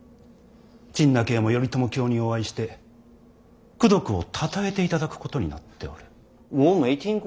陳和も頼朝卿にお会いして功徳をたたえていただくことになっておる。